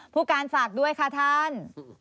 ผู้การฝากด้วยค่ะท่าน